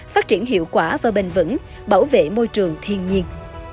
phát triển hiệu quả và bền vững bảo vệ môi trường thiên nhiên